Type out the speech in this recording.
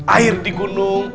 air di gunung